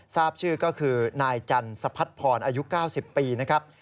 ทราบชื่อก็คือนายจันสะพัดพรอายุ๙๐ปีนะครับ